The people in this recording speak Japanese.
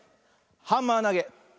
ハンマーなげ。